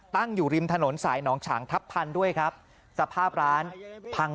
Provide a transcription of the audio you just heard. ตั้งอยู่ริมถนนสายหนองฉางทัพพันธุ์ด้วยครับสภาพร้านพัง